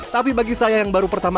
tapi bagi saya yang baru pertama